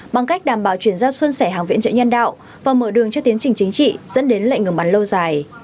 bằng cách đảm bảo chuyển ra xuân sẻ hàng viện trợ nhân đạo và mở đường cho tiến trình chính trị dẫn đến lệnh ngừng bắn lâu dài